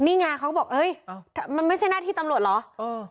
นี่ไงเขาก็บอกเฮ้ยมันไม่ใช่หน้าที่ตำรวจเหรอเออ